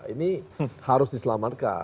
ini harus diselamatkan